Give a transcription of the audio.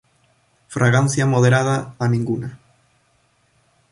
Fragancia moderada a ninguna.